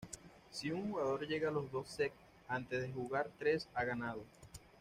Si un jugador llega a los dos sets antes de jugar tres ha ganado.